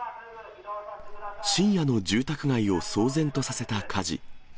深夜の住宅街を騒然とさせた火事。